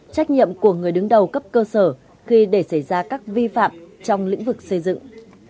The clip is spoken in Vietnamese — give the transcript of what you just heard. trách nhiệm của người đứng đầu cấp cơ sở khi để xảy ra các vi phạm trong lĩnh vực xây dựng